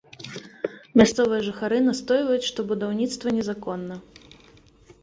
Мясцовыя жыхары настойваюць, што будаўніцтва незаконна.